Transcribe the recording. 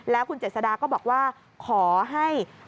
แล้วคุณเจ็ดสดาก็บอกว่า